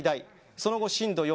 その後、震度４。